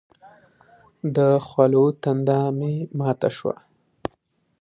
د خولو تنده مې ماته شوه.